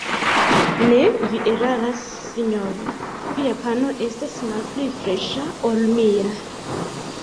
Ne, vi eraras, sinjoro: via pano estas malpli freŝa, ol mia.